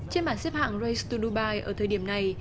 trên bản xếp hạng race to dubai ở thời điểm này